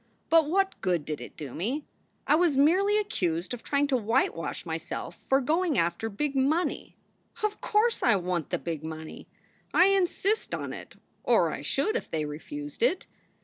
But what good did it do me ? I was merely accused of trying to whitewash myself for going after big money. Of course I want the big money. I insist on it, or I should if they refused it.